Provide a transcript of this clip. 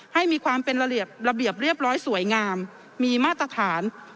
ให้มีความเป็นระเบียบระเบียบเรียบร้อยสวยงามมีมาตรฐาน